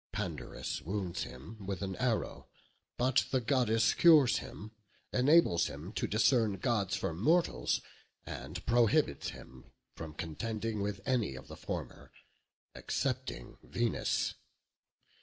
Pandarus wounds him with an arrow, but the goddess cures him, enables him to discern gods from mortals, and prohibits him from contending with any of the former, excepting Venus.